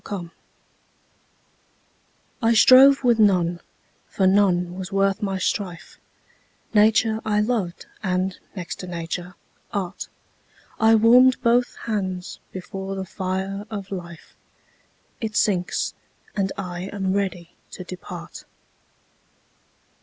9 Autoplay I strove with none, for none was worth my strife: Nature I loved, and, next to Nature, Art: I warm'd both hands before the fire of Life; It sinks; and I am ready to depart.